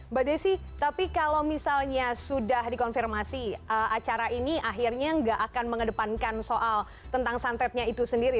mbak desi tapi kalau misalnya sudah dikonfirmasi acara ini akhirnya nggak akan mengedepankan soal tentang santetnya itu sendiri